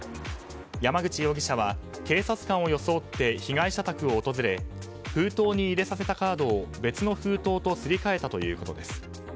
山口容疑者は警察官を装って被害者宅を訪れ封筒に入れさせたカードを別の封筒とすり替えたということです。